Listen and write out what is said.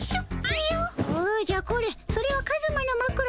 おじゃこれそれはカズマのまくらじゃ。